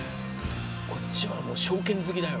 こっちはもう正拳突きだよ。